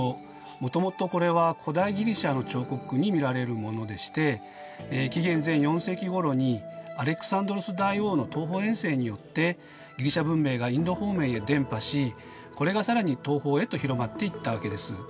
もともとこれは古代ギリシアの彫刻に見られるものでして紀元前４世紀ごろにアレクサンドロス大王の東方遠征によってギリシア文明がインド方面へ伝播しこれが更に東方へと広まっていったわけです。